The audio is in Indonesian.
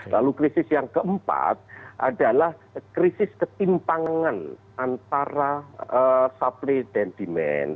lalu krisis yang keempat adalah krisis ketimpangan antara supply dan demand